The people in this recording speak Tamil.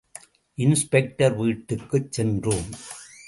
இன்ஸ்பெக்டர் வீட்டுக்குச் சென்றோம்.